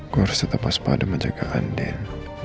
gue harus tetap pas pada menjaga anden